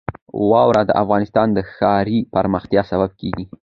واوره د افغانستان د ښاري پراختیا سبب کېږي.